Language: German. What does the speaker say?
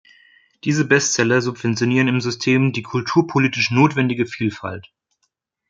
Diese Bestseller subventionieren im System die kulturpolitisch notwendige Vielfalt.